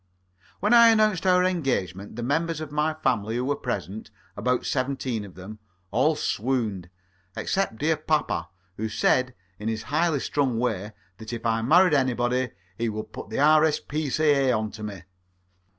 When I announced our engagement the members of my family who were present, about seventeen of them, all swooned, except dear papa, who said in his highly strung way that if I married anybody he would put the R.S.P.C.A. on to me.